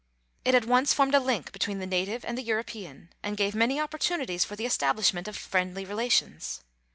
It at once formed a link between the native and the European, and gave many opportunities for the establish ment of friendly relations.